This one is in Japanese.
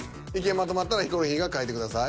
まとまったらヒコロヒーが書いてください。